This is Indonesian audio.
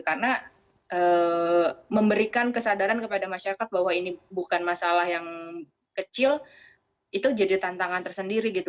karena memberikan kesadaran kepada masyarakat bahwa ini bukan masalah yang kecil itu jadi tantangan tersendiri gitu